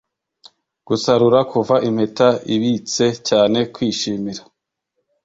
Gusarura kuva impeta-ibitse cyane kwishimira